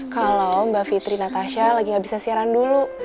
kalau mbak fitri natasha lagi gak bisa siaran dulu